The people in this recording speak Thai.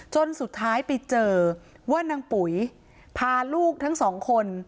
จนสุดท้ายไปเจอว่านางปุ๋ยพาลูกทั้งสองคน